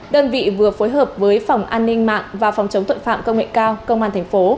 đơn vị vừa phối hợp với phòng an ninh mạng và phòng chống tội phạm công nghệ cao công an thành phố